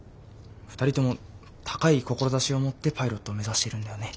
２人とも高い志を持ってパイロットを目指しているんだよね。